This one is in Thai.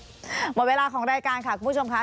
หมดเวลาของรายการค่ะคุณผู้ชมค่ะ